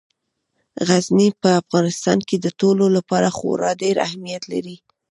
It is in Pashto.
غزني په افغانستان کې د ټولو لپاره خورا ډېر اهمیت لري.